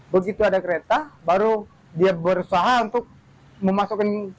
begitu ada kereta baru dia berusaha untuk memasukkan